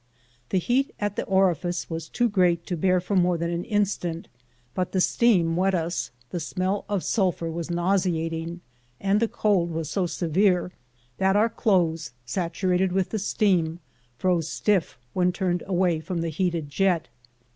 The heat at the orifice was too great to bear for more than an instant, but the steam wet us, the smell of sulphur was nauseating, and the cold was so severe that our clothes, saturated with the steam, froze stiff when turned away from the heated jet.